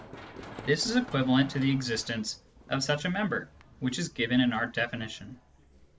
This is equivalent to the existence of such a member, which is given in our definition.